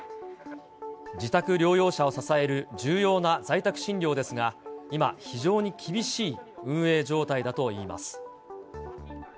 自宅療養者を支える重要な在宅診療ですが、今、非常に厳しい運営状態だといいます。